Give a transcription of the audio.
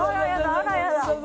あらやだ